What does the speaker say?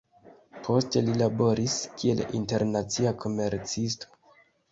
Poste li laboris kiel internacia komercisto.